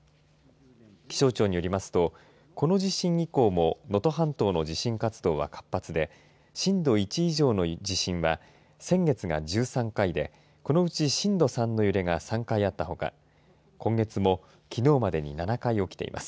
気象庁によりますとこの地震以降も能登半島の地震活動は活発で震度１以上の地震は先月が１３回でこのうち震度３の揺れが３回あったほか今月も、きのうまでに７回、起きています。